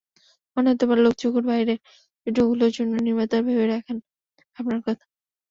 মনে হতে পারে, লোকচক্ষুর বাইরের চরিত্রগুলোর জন্য নির্মাতারা ভেবে রাখেন ভাবনার কথা।